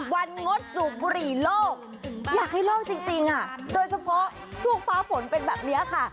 งดสูบบุหรี่โลกอยากให้โลกจริงโดยเฉพาะช่วงฟ้าฝนเป็นแบบนี้ค่ะ